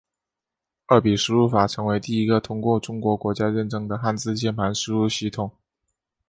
二笔输入法成为第一个通过中国国家认证的汉字键盘输入系统。